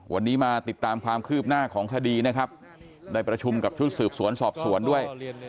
วันนี้มาติดตามความคืบหน้าของคดีนะครับได้ประชุมกับชุดสืบสวนสอบสวนด้วย